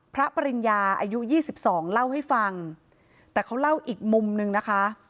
พระปริญญาอายุยี่สิบสองเล่าให้ฟังแต่เขาเล่าอีกมุมหนึ่งนะคะ